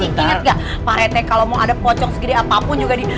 ingat gak pak rete kalau mau ada bocong segede apapun juga di